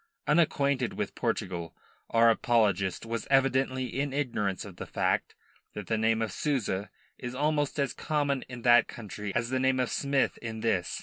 Unacquainted with Portugal, our apologist was evidently in ignorance of the fact that the name of Souza is almost as common in that country as the name of Smith in this.